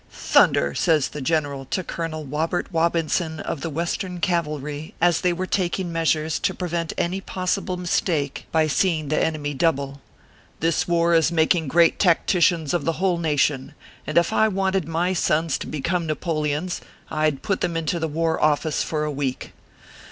"Thunder !" says the general to Colonel Wobert Wobinson, of the Western Cavalry, as they were taking measures to prevent any possible mistake by 334 ORPHEUS C. KERR PAPERS. seeing the enemy double, " this war is making great tacticians of the whole nation, and if I wanted my sons to become Napoleons, I d put them into the War Office for a week.